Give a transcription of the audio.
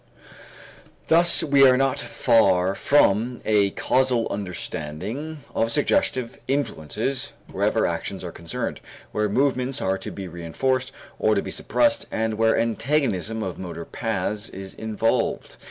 Thus we are not far from a causal understanding of suggestive influences wherever actions are concerned, where movements are to be reënforced or to be suppressed and where antagonism of the motor paths is involved.